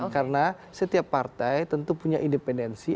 karena setiap partai tentu punya independensi